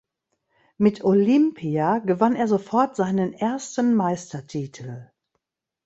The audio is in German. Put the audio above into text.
Mit Olimpia gewann er sofort seinen ersten Meistertitel.